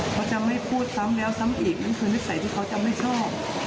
เขาจะไม่พูดซ้ำแล้วซ้ำอีกนั่นคือนิสัยที่เขาจะไม่ชอบ